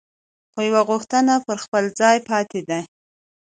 خو یوه غوښتنه پر خپل ځای پاتې ده.